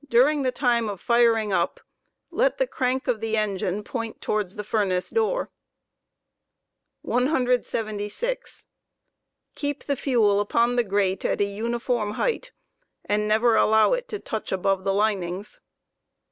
Baring the time of firing up, let the crank of the engine point towards the furnace door. v Heightof ftwL X76. Keep the fuel upon the grate at ^uniform height, and never allow it to touch above the linings.